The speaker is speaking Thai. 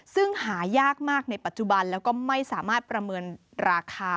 ซึ่งหายากมากในปัจจุบันแล้วก็ไม่สามารถประเมินราคา